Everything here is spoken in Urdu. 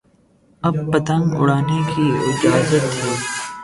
اب پتنگ اڑانے کی اجازت تھی۔